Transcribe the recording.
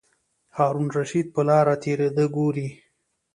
هارون الرشید په لاره تېرېده ګوري.